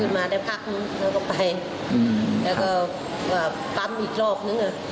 ขึ้นมาได้พักแล้วก็ไปอืมแล้วก็อ่าปั๊มอีกรอบหนึ่งอ่ะ